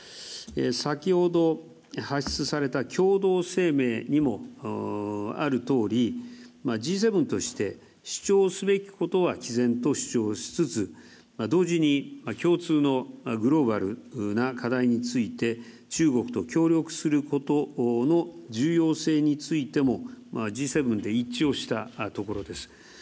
先ほど発出された共同声明にもあるとおり、Ｇ７として主張すべきことは毅然と主張しつつ、同時に共通のグローバルな課題について中国と協力することの重要性についてもＧ７で一致をしたところです。